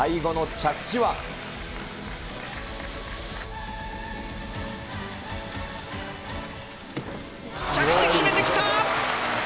着地、決めてきた。